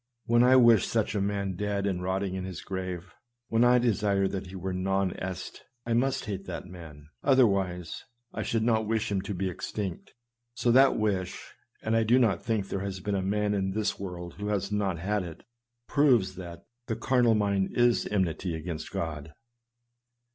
When I wish such a man dead and rotting in his grave ; when I desire that he were non est, I must hate that man ; otherwise I should not wish him to be extinct. So that wish — and I do not think there has been a man in this world who has not THE CARNAL MIND ENMITY AGAINST GOD. 237 had it — proves that " the carnal mind is enmity against God."